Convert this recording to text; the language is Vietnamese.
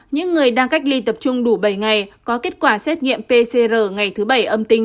những người đang cách ly tập trung đủ bảy ngày có kết quả xét nghiệm pcr ngày thứ bảy âm tính